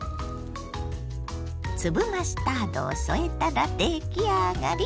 粒マスタードを添えたら出来上がり！